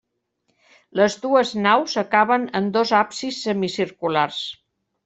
Les dues naus acaben en dos absis semicirculars.